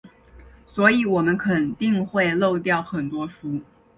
所以我们肯定会漏掉很多书。